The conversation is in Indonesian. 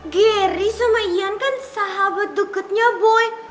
gary sama ian kan sahabat deketnya boy